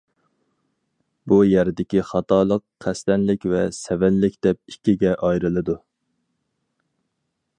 بۇ يەردىكى خاتالىق قەستەنلىك ۋە سەۋەنلىك دەپ ئىككىگە ئايرىلىدۇ.